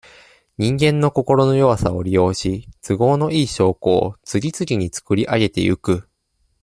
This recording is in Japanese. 人間の心の弱さを利用し、都合のいい証拠を、次々につくりあげてゆく。